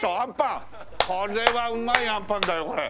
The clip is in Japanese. これはうまいあんぱんだよこれ。